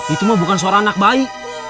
itu mah bukan suara anak bayi